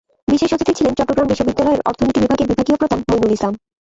বিশেষ অতিথি ছিলেন চট্টগ্রাম বিশ্ববিদ্যালয়ের অর্থনীতি বিভাগের বিভাগীয় প্রধান মঈনুল ইসলাম।